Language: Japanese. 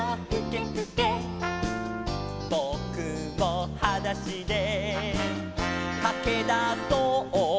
「ぼくもはだしでかけだそう」